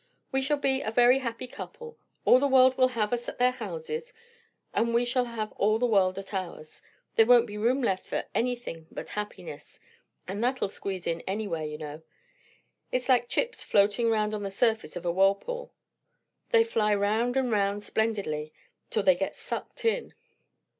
"We shall be a very happy couple. All the world will have us at their houses, and we shall have all the world at ours. There won't be room left for any thing but happiness; and that'll squeeze in anywhere, you know. It's like chips floating round on the surface of a whirlpool they fly round and round splendidly till they get sucked in."